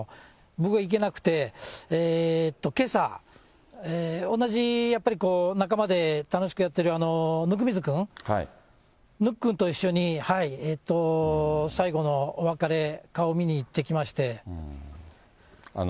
僕は行けなくて、けさ、同じやっぱりこう、仲間で楽しくやってるぬくみず君、ぬっくんと一緒に、最後のお別れ、顔見に行ってきまして。